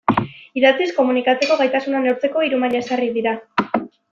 Idatziz komunikatzeko gaitasuna neurtzeko hiru maila ezarri dira.